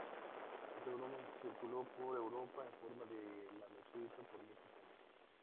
Éste volumen circuló por Europa, en forma de manuscrito, por muchos años.